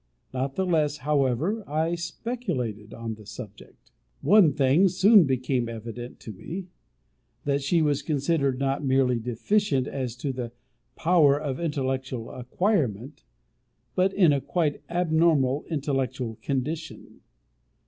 Not the less, however, I speculated on the subject. One thing soon became evident to me: that she was considered not merely deficient as to the power of intellectual acquirement, but in a quite abnormal intellectual condition.